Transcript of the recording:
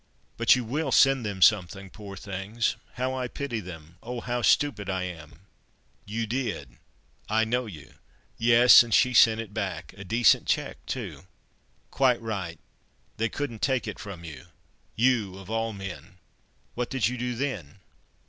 "But you will send them something, poor things! How I pity them. Oh! how stupid I am! You did—I know you." "Yes! and she sent it back—a decent cheque too." "Quite right—they couldn't take it from you—you of all men. What did you do then?"